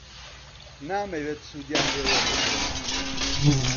نامەوێت سوودیان لێ وەربگرم.